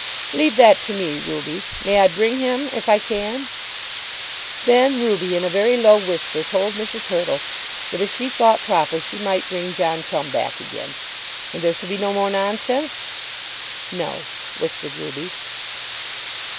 "Leave that to me, Ruby. May I bring him if I can?" Then Ruby in a very low whisper told Mrs. Hurtle, that if she thought proper she might bring John Crumb back again. "And there shall be no more nonsense?" "No," whispered Ruby.